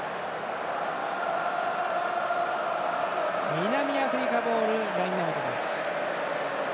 南アフリカボールラインアウトです。